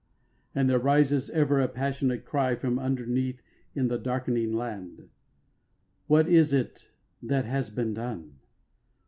And there rises ever a passionate cry From underneath in the darkening land What is it, that has been done?